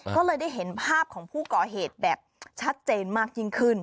ก็เลยได้เห็นภาพของผู้ก่อเหตุแบบชัดเจนมากยิ่งขึ้น